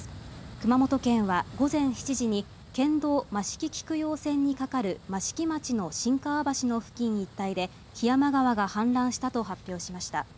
熊本県は午前７時に県道益城菊陽線に架かる益城町の新川橋の付近一帯で木山川が氾濫したと発表しました。